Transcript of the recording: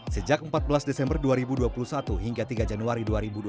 sejak empat belas desember dua ribu dua puluh satu hingga tiga januari dua ribu dua puluh dua